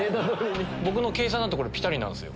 僕の計算だとピタリなんすよ。